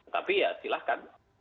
tapi ya silahkan